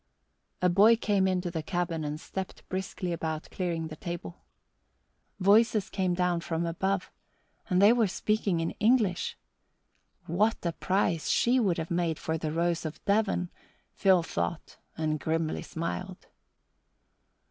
A boy came into the cabin and stepped briskly about clearing the table. Voices came down from above and they were speaking in English! What a prize she would have made for the Rose of Devon, Phil thought, and grimly smiled.